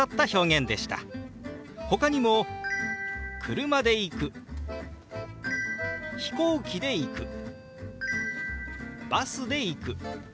ほかにも「車で行く」「飛行機で行く」「バスで行く」。